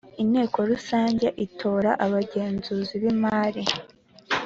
Inteko Rusange itora abagenzuzi b imari